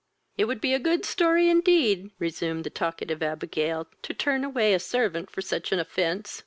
"It would be a good story, indeed, (resumed the talkative Abigail,) to turn away a servant for such an offence!